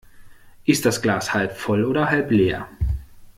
Ist das Glas halb voll oder halb leer?